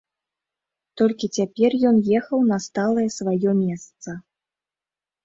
Толькі цяпер ён ехаў на сталае сваё месца.